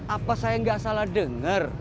apa saya gak salah denger